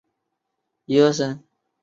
内田翔是日本男子游泳运动员。